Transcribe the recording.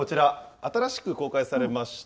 新しく公開されました